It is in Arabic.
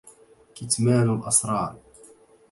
كتمان الأسرار